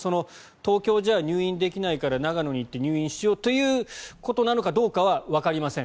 東京じゃ入院できないから長野に行って入院しようということなのかどうかはわかりません。